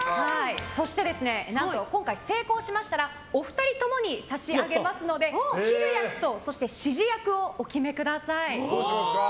成功しましたら二人ともに差し上げますので切る役と指示役をお決めください。